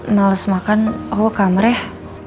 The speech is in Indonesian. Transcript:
males makan aku ke kamar ya